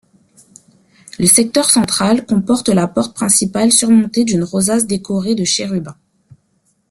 Le secteur central comporte la porte principale surmontée d'une rosace décorée de chérubins.